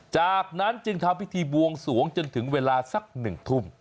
จากนั้นจึงทำพิธีบวงสวงจนถึงเวลาสัก๑ทุ่ม